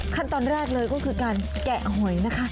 ขั้นตอนแรกเลยก็คือการแกะหอยนะคะ